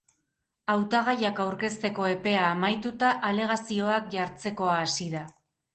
Hautagaiak aurkezteko epea amaituta, alegazioak jartzekoa hasi da.